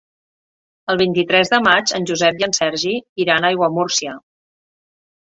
El vint-i-tres de maig en Josep i en Sergi iran a Aiguamúrcia.